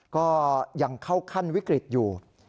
ก็ยังเข้าขั้นวิกฤตอยู่